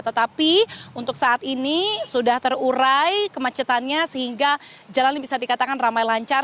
tetapi untuk saat ini sudah terurai kemacetannya sehingga jalan ini bisa dikatakan ramai lancar